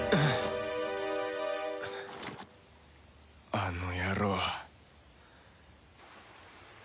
あの野郎！